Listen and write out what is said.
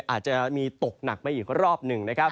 อาจจะตกหนักไปอีกรอบนึง